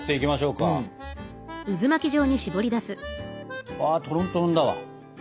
うわトロントロンだわ。